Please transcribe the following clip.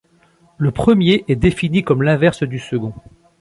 Le premier est défini comme l'inverse du second.